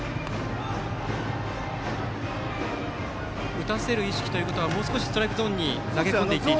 打たせる意識ということはもう少しストライクゾーンに投げ込んでいっていいと。